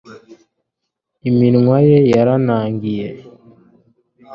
Iminwa ye yaranangiye